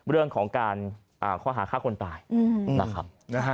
เรื่องของการข้อหาฆ่าคนตายนะครับ